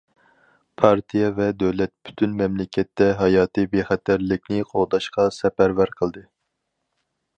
پارتىيە ۋە دۆلەت پۈتۈن مەملىكەتتە ھاياتىي بىخەتەرلىكنى قوغداشقا سەپەرۋەر قىلدى.